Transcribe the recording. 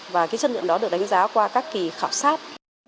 và cái chất lượng đó được đánh giá qua các kỳ khảo sát